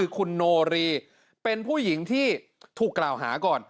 คุณโนรีเป็นผู้หญิงที่ถูกกล่าวหาก่อน